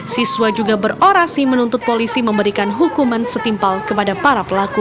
siswa juga berorasi menuntut polisi memberikan hukuman setimpal kepada para pelaku